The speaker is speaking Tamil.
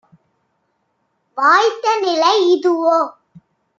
வாய்த்த நிலை இதுவோ!